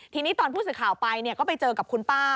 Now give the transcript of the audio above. ทีนี้ตอนผู้สื่อข่าวไปก็ไปเจอกับคุณป้า